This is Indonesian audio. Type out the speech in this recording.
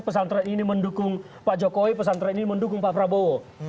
pesantren ini mendukung pak jokowi pesantren ini mendukung pak prabowo